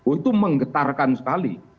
itu menggetarkan sekali